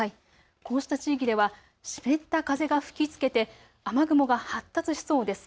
こうした地域では湿った風が吹きつけて雨雲が発達しそうです。